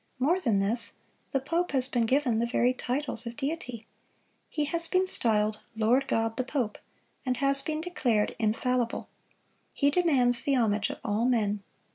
More than this, the pope has been given the very titles of Deity. He has been styled "Lord God the Pope,"(71) and has been declared infallible. He demands the homage of all men.